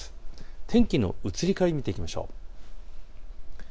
天気の移り変わり見ていきましょう。